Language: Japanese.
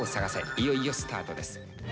いよいよスタートです。